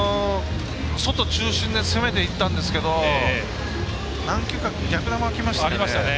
外中心で攻めていったんですけど何球か逆球がきましたよね。